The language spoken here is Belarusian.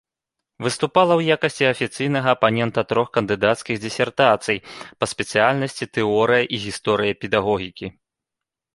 Выступала ў якасці афіцыйнага апанента трох кандыдацкіх дысертацый па спецыяльнасці тэорыя і гісторыя педагогікі.